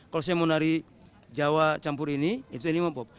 kalau saya mau nari jawa campur ini itu anima pop